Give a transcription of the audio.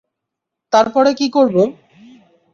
তারপরে কী করব?